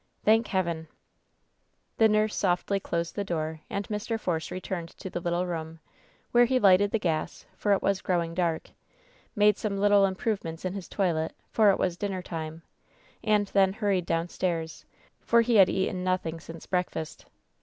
"Thank Heaven 1'^ WHEN SHADOWS DIE 233 The nurse softly closed the door, and Mr. Force re turned to the little room, where he lighted the gas, for it was growing dark, made some little improvement in his toilet, for it was dinner time, and then hurried downstairs, for he had eaten nothing since breakfast.